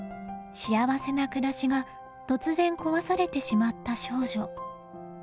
幸せな暮らしが突然壊されてしまった少女。